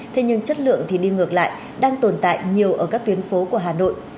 thế nhưng chất lượng thì đi ngược lại đang tồn tại nhiều ở các tuyến phố của hà nội